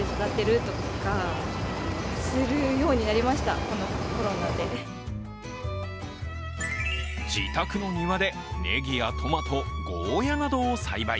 そこで自宅の庭でねぎやトマト、ゴーヤーなどを栽培。